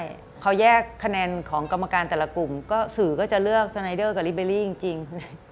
อย่างนั้นแกล้งแครร์แยกแคนนานของกรรมการแต่ละกลุ่มสื่อก็จะเลือกสไนเดอร์กับฟรรีจริวินไลฟ์จริง